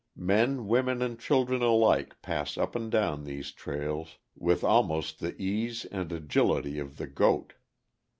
Men, women, and children alike pass up and down these trails with almost the ease and agility of the goat.